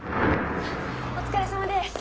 お疲れさまでーす。